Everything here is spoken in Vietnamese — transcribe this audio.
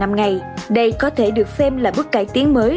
năm ngày đây có thể được xem là bước cải tiến mới